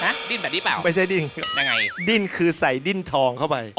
ฮะดิ้นแบบนี้เปล่ายังไงดิ้นคือใส่ดิ้นทองเข้าไป